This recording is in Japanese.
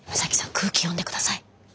空気読んで下さい。